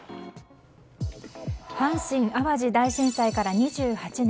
阪神・淡路大震災から２８年。